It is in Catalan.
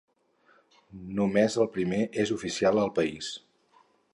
Només el primer és oficial al país.